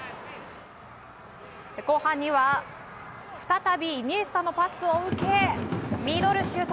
後半には再びイニエスタのパスを受けミドルシュート。